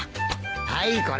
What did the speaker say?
はいこれ。